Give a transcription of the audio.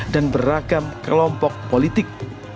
dan beragam kelompok politik